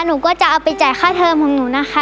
หนูก็จะเอาไปจ่ายค่าเทอมของหนูนะคะ